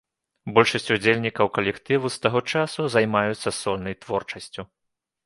Большасць удзельнікаў калектыву з таго часу займаюцца сольнай творчасцю.